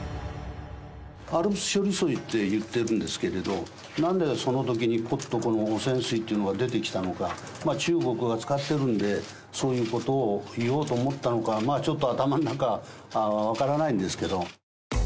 ＡＬＰＳ処理水っていってるんですけれども、なんでそのときに、ぽっとこの汚染水っていうのが出てきたのか、まあ、中国は使ってるんで、そういうことを言おうと思ったのか、まあ、ちょっと頭の中、分からないんですけど。